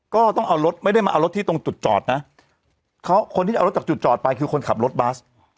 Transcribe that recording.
ก็ต้องเอารถไม่ได้มาเอารถที่ตรงจุดจอดนะเขาคนที่เอารถจากจุดจอดไปคือคนขับรถบัส